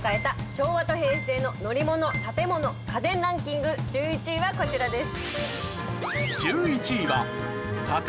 昭和と平成の乗り物・建物・家電ランキング１１位はこちらです。